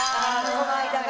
その間が？